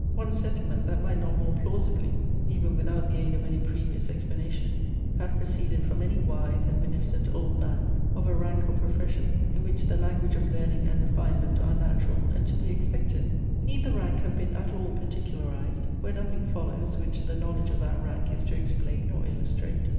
One sentiment, that might not more plausibly, even without the aid of any previous explanation, have proceeded from any wise and beneficent old man, of a rank or profession in which the language of learning and refinement are natural and to be expected? Need the rank have been at all particularized, where nothing follows which the knowledge of that rank is to explain or illustrate?